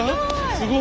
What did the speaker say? すごい！